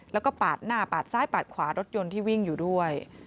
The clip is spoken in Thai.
แล้วก็ปาดหน้าปาดซ้ายปาดขวารถยนต์ที่วิ่งอยู่ด้วย